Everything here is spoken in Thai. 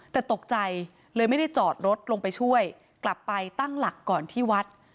แต่ตกใจเลยไม่ได้จอดรถลงไปช่วยกลับไปตั้งหลักก่อนที่วัด